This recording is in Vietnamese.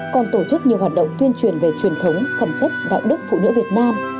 còn tổ chức nhiều hoạt động tuyên truyền về truyền thống phẩm chất đạo đức phụ nữ việt nam